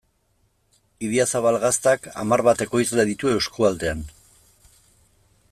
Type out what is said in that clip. Idiazabal Gaztak hamar bat ekoizle ditu eskualdean.